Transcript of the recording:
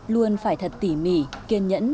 luôn phải thật tỉ mỉ kiên nhẫn